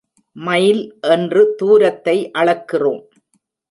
Mile என்று தூரத்தை அளக்கிறோம்.